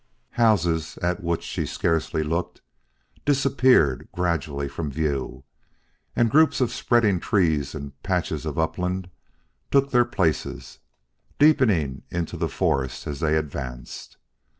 Houses, at which she scarcely looked, disappeared gradually from view, and groups of spreading trees and patches of upland took their places, deepening into the forest as they advanced.